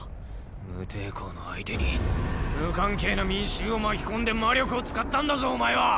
無抵抗の相手に無関係な民衆を巻き込んで魔力を使ったんだぞお前は。